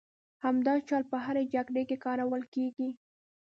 همدا چل په هرې جګړې کې کارول کېږي.